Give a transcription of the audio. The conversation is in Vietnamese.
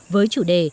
với chủ đề